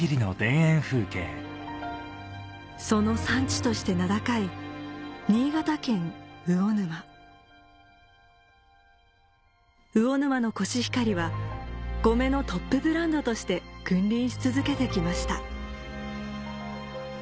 その産地として名高い新潟県魚沼のコシヒカリはコメのトップブランドとして君臨し続けて来ました